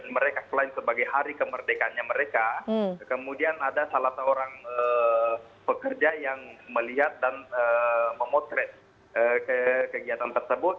mereka selain sebagai hari kemerdekaannya mereka kemudian ada salah seorang pekerja yang melihat dan memotret kegiatan tersebut